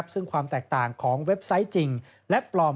ซึ่งความแตกต่างของเว็บไซต์จริงและปลอม